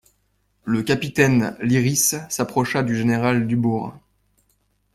Le capitaine Lyrisse s'approcha du général Dubourg.